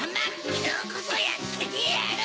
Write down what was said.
きょうこそやっつけてやる！